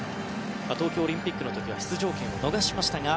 東京オリンピックの時は出場権を逃しましたが